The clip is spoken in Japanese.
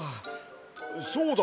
そうだ！